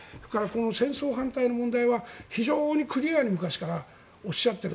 戦争反対の問題は非常にクリアに昔からおっしゃっている。